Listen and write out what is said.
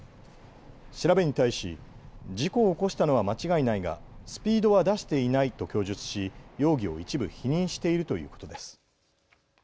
調べに対し事故を起こしたのは間違いないがスピードは出していないと供述し容疑を一部否認しているということです。